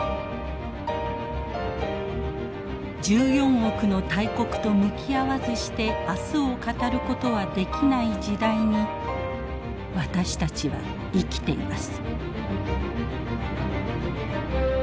１４億の大国と向き合わずして明日を語ることはできない時代に私たちは生きています。